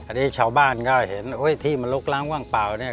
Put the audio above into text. อันนี้ชาวบ้านก็เห็นที่มันลุกล้างหรือว่างเปล่า